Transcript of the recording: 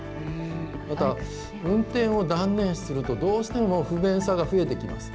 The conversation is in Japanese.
また運転を断念するとどうしても不便さが増えてきます。